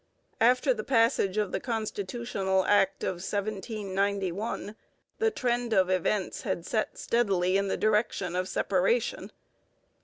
After the passage of the Constitutional Act of 1791 the trend of events had set steadily in the direction of separation.